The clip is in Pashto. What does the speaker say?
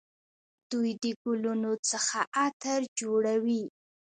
دوی د ګلونو څخه عطر جوړوي.